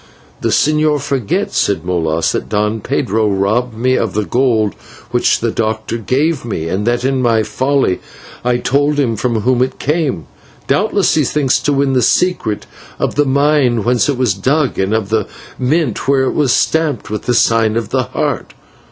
"The señor forgets," said Molas, "that Don Pedro robbed me of the gold which the doctor gave me, and that in my folly I told him from whom it came. Doubtless he thinks to win the secret of the mine whence it was dug, and of the mint where it was stamped with the sign of the Heart.